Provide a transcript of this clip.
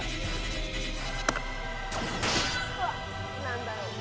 何だろう？